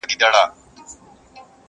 و چاته چي ښوولی پېړۍ مخکي ما تکبیر دی,